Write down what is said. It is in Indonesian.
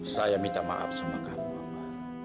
saya minta maaf sama kamu bapak